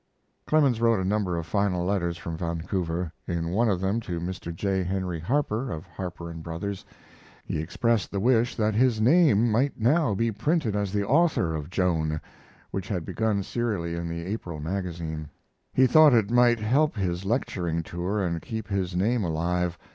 Clemens wrote a number of final letters from Vancouver. In one of them to Mr. J. Henry Harper, of Harper & Brothers, he expressed the wish that his name might now be printed as the author of "Joan," which had begun serially in the April Magazine. He thought it might, help his lecturing tour and keep his name alive.